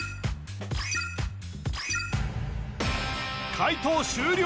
解答終了